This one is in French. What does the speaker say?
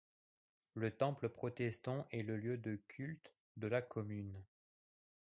Le temple protestant est le lieu de culte de la commune.